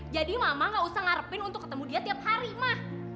jadi mama gak usah ngarepin untuk ketemu dia tiap hari ma